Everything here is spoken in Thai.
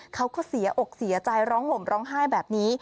เขาก็เสียอกเสียใจร้องห่มร้องไห้แบบนี้